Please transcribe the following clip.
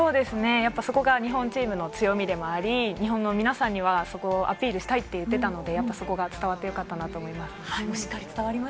そこが日本のチームの強みでもあり、日本の皆さんにはそこをアピールしたいって言っていたので、そこが伝わってよかったなと思います。